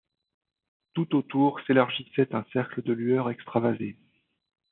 Tout autour s’élargissait un cercle de lueur extravasée.